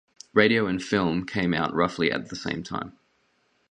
Radio and film came out roughly at the same time.